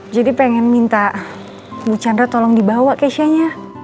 jadi pengen minta bu chandra tolong dibawa keishanya